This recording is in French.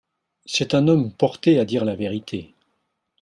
C'est un homme porté à dire la vérité.